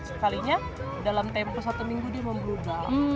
sekalinya dalam tempoh satu minggu dia memperudah